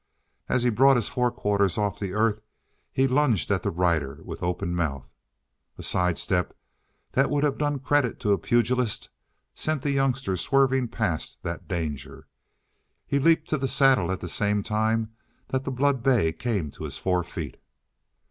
As he brought his forequarters off the earth, he lunged at the rider with open mouth. A sidestep that would have done credit to a pugilist sent the youngster swerving past that danger. He leaped to the saddle at the same time that the blood bay came to his four feet.